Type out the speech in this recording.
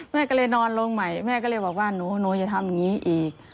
แม่ก็เลยนอนลงใหม่แม่ก็เลยบอกว่าหนูอย่าทำอย่างนี้อีก